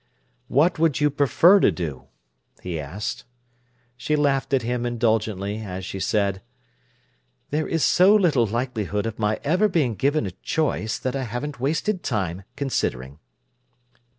"What would you prefer to do?" he asked. She laughed at him indulgently, as she said: "There is so little likelihood of my ever being given a choice, that I haven't wasted time considering."